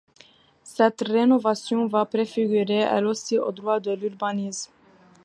Cette rénovation va préfigurer elle aussi au droit de l'urbanisme.